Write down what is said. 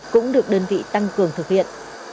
cũng được đơn vị tăng cường thực hiện